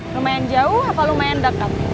lumayan jauh apa lumayan dekat